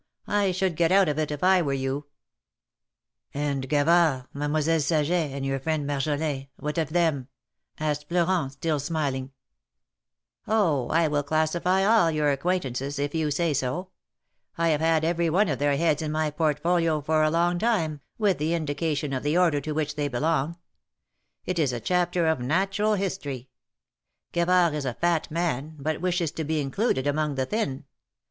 I should get out of it, if I were you !" ^^And Gavard, Mademoiselle Saget, and your friend Marjolin, what of them?" asked Florent, still smiling. THE MAEKETS OF PAEIS. 219 ^^Oli ! I will classify all our acquaintances, if you say so. I have had every one of their heads iu my portfolio for a long time, with the indication of the order to which they belong. It is a chapter of Natural History. Gavard is a Fat man, but wishes to be included among the Thin.